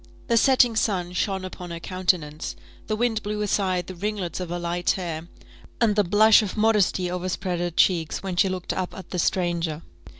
The setting sun shone upon her countenance, the wind blew aside the ringlets of her light hair, and the blush of modesty overspread her cheeks when she looked up at the stranger.